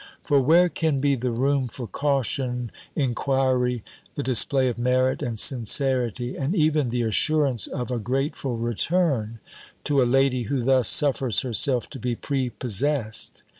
For where can be the room for caution, enquiry, the display of merit and sincerity, and even the assurance of a grateful return, to a lady, who thus suffers herself to be prepossessed?